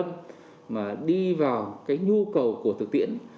những phần hàn lâm mà đi vào cái nhu cầu của thực tiễn